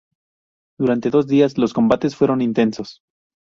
Durante dos días, los combates fueron intensos.